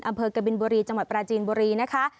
อำเภอกบินบุรีจังหวัดปราจีนบุรีนะคะ